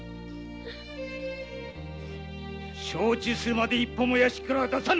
承知するまで一歩も屋敷から出さん。